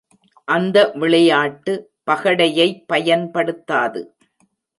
அந்த விளையாட்டு பகடையைப் பயன்படுத்தாது.